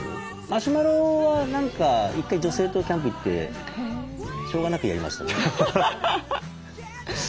マシュマロは何か１回女性とキャンプ行ってしょうがなくやりましたね。